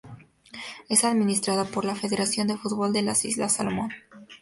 Es administrada por la Federación de Fútbol de las Islas Salomón.